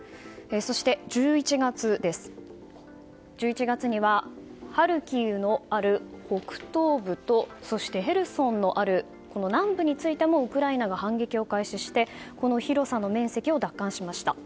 そして１１月にはハルキウのある北東部とヘルソンのある南部についてもウクライナが反撃を開始してこの広さの面積を奪還しました。